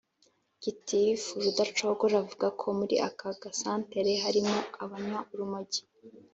gitifu rudacogora avuga ko muri aka gasantere harimo abanywa urumogi